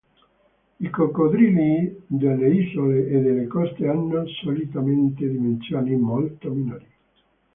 I coccodrilli delle isole o delle coste hanno solitamente dimensioni molto minori.